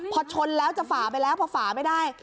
พอชนแล้วจะฝ่าไปแล้วพอฝาไม่ได้